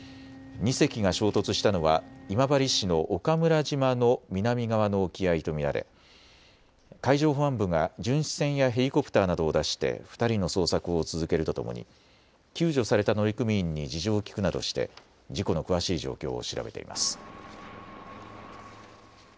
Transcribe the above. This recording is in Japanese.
２隻が衝突したのは今治市の岡村島の南側の沖合と見られ海上保安部が巡視船やヘリコプターなどを出して２人の捜索を続けるとともに救助された乗組員に事情を聞くなどして事故の詳しい状況を調べています。